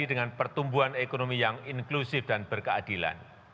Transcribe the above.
dengan pertumbuhan ekonomi yang inklusif dan berkeadilan